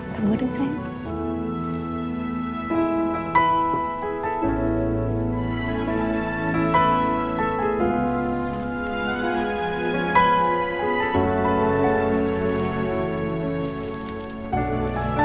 kamu udah siap